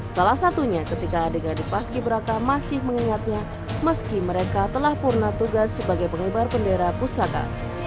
salah satunya ketika adik adik paski beraka masih mengingatnya meski mereka telah purna tugas sebagai pengibar bendera pusaka